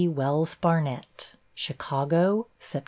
Wells Barnett Chicago, Sept.